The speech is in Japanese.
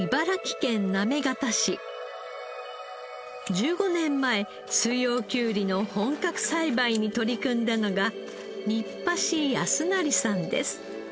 １５年前四葉きゅうりの本格栽培に取り組んだのが新橋康成さんです。